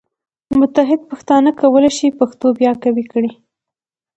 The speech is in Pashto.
متحد پښتانه کولی شي پښتو بیا قوي کړي.